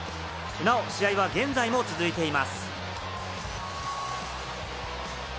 なお試合は現在も続いています。